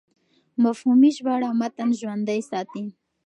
مفهومي ژباړه متن ژوندی ساتي.